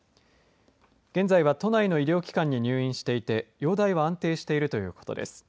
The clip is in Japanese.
現在は都内の医療機関に入院していて容体は安定しているということです。